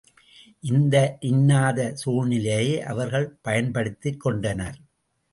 இந்த இன்னாத சூழ்நிலையை அவர்கள் பயன்படுத்திக் கொண்டனர்.